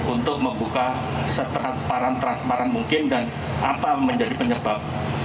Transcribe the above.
untuk membuka setransparan transparan mungkin dan apa menjadi penyebab